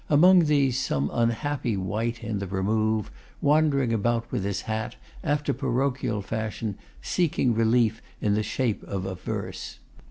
Among these, some unhappy wight in the remove, wandering about with his hat, after parochial fashion, seeking relief in the shape of a verse.